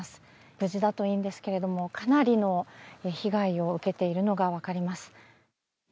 無事だといいんですけどかなりの被害を受けているのが分かります。